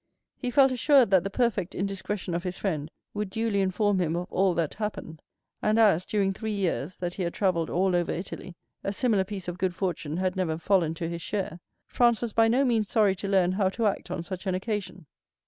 He felt assured that the perfect indiscretion of his friend would duly inform him of all that happened; and as, during three years that he had travelled all over Italy, a similar piece of good fortune had never fallen to his share, Franz was by no means sorry to learn how to act on such an occasion.